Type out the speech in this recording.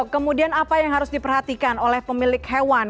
kemudian apa yang harus diperhatikan oleh pemilik hewan